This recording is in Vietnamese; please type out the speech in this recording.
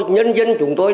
nhân dân chúng tôi